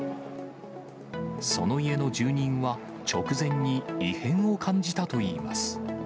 その家の住人は、直前に異変を感じたといいます。